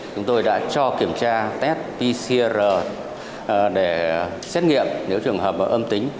chúng tôi đã cho kiểm tra test pcr để xét nghiệm nếu trường hợp âm tính